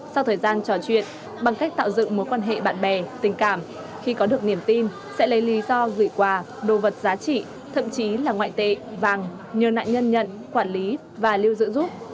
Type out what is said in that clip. sau thời gian trò chuyện bằng cách tạo dựng mối quan hệ bạn bè tình cảm khi có được niềm tin sẽ lấy lý do gửi quà đồ vật giá trị thậm chí là ngoại tệ vàng nhờ nạn nhân nhận quản lý và lưu giữ giúp